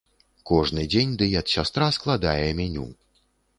Кожны дзень дыет-сястра складае меню.